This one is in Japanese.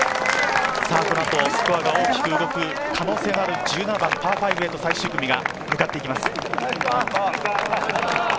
この後、スコアが大きく動く可能性のある１７番、パー５へと最終組が向かっていきます。